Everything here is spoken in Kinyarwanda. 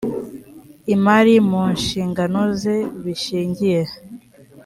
imari mu nshingano ze bishingiye